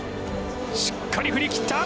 しっかり振り切った！